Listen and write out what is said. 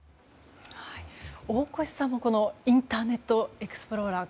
大越さんもインターネットエクスプローラー